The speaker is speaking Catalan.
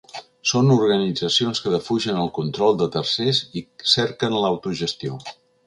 Són organitzacions que defugen el control de tercers i cerquen l’autogestió.